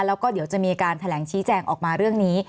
แล้วก็เดี๋ยวจะมีการแถลงชี้แจงออกมาเรื่องนี้